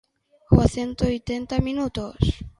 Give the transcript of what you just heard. A cento oitenta minutos.